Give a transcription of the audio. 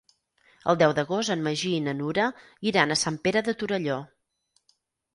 El deu d'agost en Magí i na Nura iran a Sant Pere de Torelló.